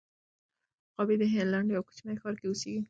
غابي د هالنډ یوه کوچني ښار کې اوسېږي.